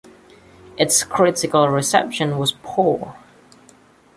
Its critical reception was poor.